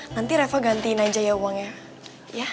nanti reva gantiin aja ya uangnya